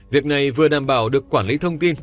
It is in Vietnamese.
việc này vừa đảm bảo được quản lý thông tin